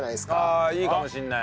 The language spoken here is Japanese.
ああいいかもしれない。